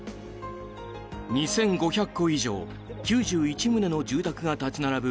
２５００戸以上９１棟の住宅が立ち並ぶ